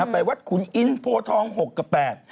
แปลว่าขุนอินทร์โภทอง๖กับ๘